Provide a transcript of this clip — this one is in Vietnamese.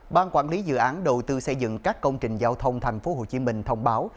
ban quản lý dự án đầu tư xây dựng các công trình giao thông tp hcm thông báo